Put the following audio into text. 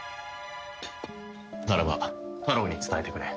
ならばタロウに伝えてくれ。